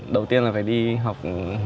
đầu tiên là phải đi học